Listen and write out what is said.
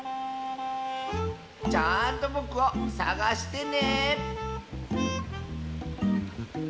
ちゃんとぼくをさがしてね！